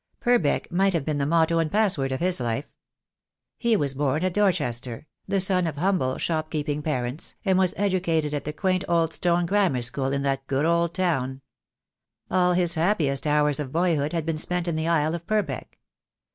Purbeck might have been the motto and password of his life. He was born at Dor chester, the son of humble shopkeeping parents, and was educated at the quaint old stone grammar school in that good old town. All his happiest hours of boyhood had been spent in the Isle of Purbeck.